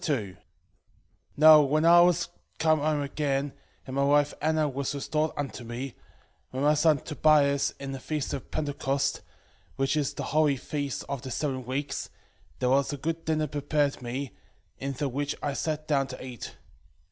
2:1 Now when I was come home again, and my wife Anna was restored unto me, with my son Tobias, in the feast of Pentecost, which is the holy feast of the seven weeks, there was a good dinner prepared me, in the which I sat down to eat.